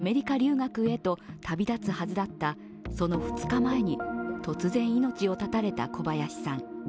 アメリカ留学へと旅立つはずだったその２日前に突然命を絶たれた小林さん。